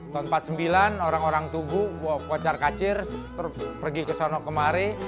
tahun seribu sembilan ratus empat puluh sembilan orang orang tugu kocar kacir pergi ke sana kemari